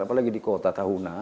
apalagi di kota tahuna